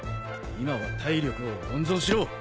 今は体力を温存しろ。